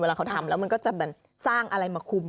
เวลาเค้าทำแล้วมันก็จะแบบสร้างอะไรมาคุม